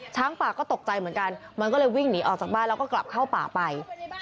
ช้างป่าก็ตกใจเหมือนกันมันก็เลยวิ่งหนีออกจากบ้านแล้วก็กลับเข้าป่าไป